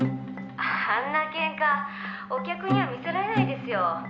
「あんなケンカお客には見せられないですよ」